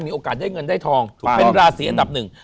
มีโอกาสได้เงินได้ทองถูกเป็นราศีอันดับหนึ่ง